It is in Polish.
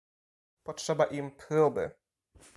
"Potrzeba im próby."